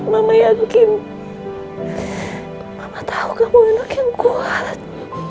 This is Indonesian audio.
mama yakin mama tahu kamu anak yang kuat